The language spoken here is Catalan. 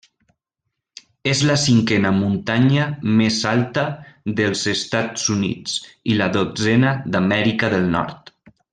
És la cinquena muntanya més alta dels Estats Units i la dotzena d'Amèrica del Nord.